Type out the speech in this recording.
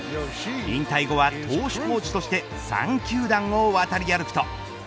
引退後は投手コーチとして３球団を渡り歩くと。